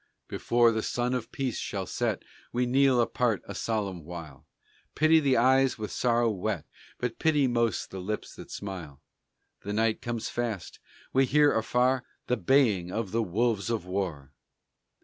Before the sun of peace shall set, We kneel apart a solemn while; Pity the eyes with sorrow wet, But pity most the lips that smile. The night comes fast; we hear afar The baying of the wolves of war.